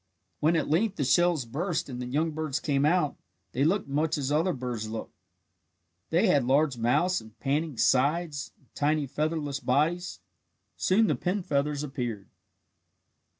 When at length the shells burst and the young birds came out, they looked much as other birds look. They had large mouths and panting sides and tiny featherless bodies. Soon the pin feathers appeared.